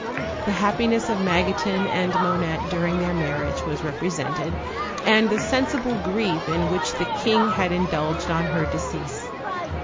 The happiness of Magotin and Monette during their marriage was repre sented, and the sensible grief in which the king had in dulged on her decease.